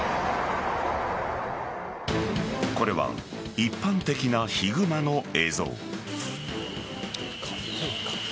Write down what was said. これは一般的なヒグマの映像。